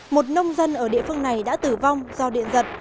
một nông dân ở địa phương này đã tử vong do điện giật